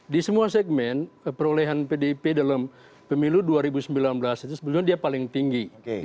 di semua segmen perolehan pdip dalam pemilu dua ribu sembilan belas itu sebetulnya dia paling tinggi